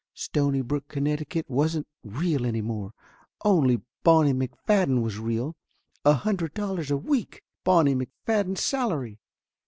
Stonybrook, Connecticut, wasn't real any more. Only Bonnie Mc Fadden was real. A hundred dollars a week ! Bonnie McFadden's salary